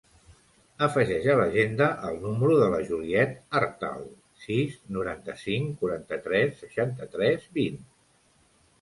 Afegeix a l'agenda el número de la Juliet Artal: sis, noranta-cinc, quaranta-tres, seixanta-tres, vint.